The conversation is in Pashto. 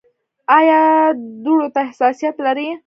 ایا دوړو ته حساسیت لرئ؟